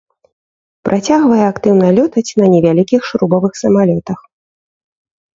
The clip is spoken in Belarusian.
Працягвае актыўна лётаць на невялікіх шрубавых самалётах.